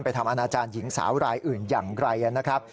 ทำอนาจารย์หญิงสาวรายอื่นอย่างไรนะครับ